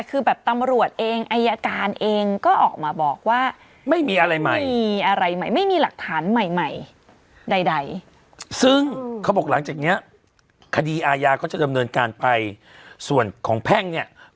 อืมแต่คือแบบตำรวจเอง